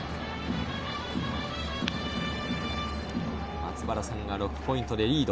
松原さんが６ポイントでリード。